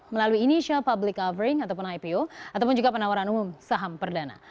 melalui initial public offering ataupun ipo ataupun juga penawaran umum saham perdana